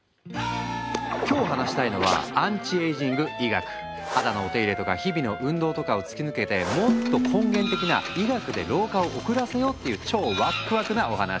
今日話したいのは肌のお手入れとか日々の運動とかを突き抜けてもっと根源的な医学で老化を遅らせようっていう超ワックワクなお話。